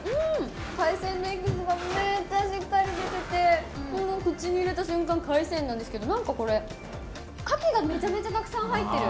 海鮮、めっちゃしっかり出てて、でも、口に入れた瞬間、海鮮なんですけど、なんかこれ、カキがめちゃめちゃたくさん入ってる。